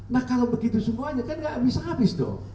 nah kalau begitu semuanya kan tidak habis habis dong